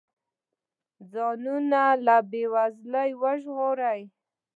ځانونه له بې وزلۍ وژغوري.